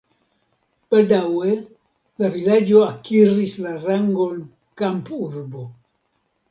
Baldaŭe la vilaĝo akiris la rangon kampurbo.